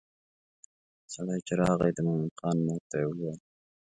سړی چې راغی د مومن خان مور ته یې وویل.